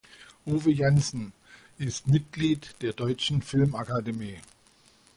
Uwe Janson ist Mitglied der Deutschen Filmakademie.